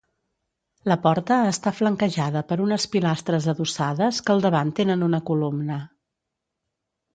La porta està flanquejada per unes pilastres adossades que al davant tenen una columna.